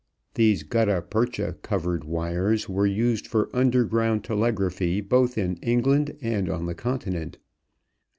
These gutta percha covered wires were used for underground telegraphy both in England and on the Continent.